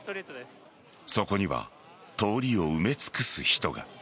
そこには通りを埋め尽くす人が。